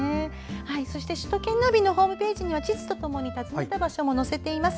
そして、首都圏ナビのホームページには地図とともに訪ねた場所も載せています。